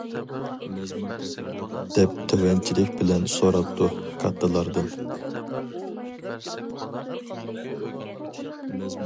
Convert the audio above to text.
-دەپ تۆۋەنچىلىك بىلەن سوراپتۇ كاتتىلاردىن.